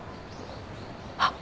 あっ。